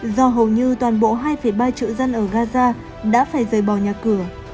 do hầu như toàn bộ hai ba triệu dân ở gaza đã phải rời bỏ nhà cửa